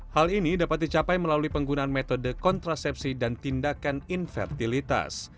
hal ini dapat dicapai melalui penggunaan metode kontrasepsi dan tindakan invertilitas